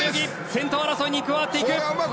先頭争いに加わっていく。